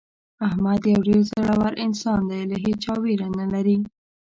احمد یو ډېر زړور انسان دی له هېچا ویره نه لري.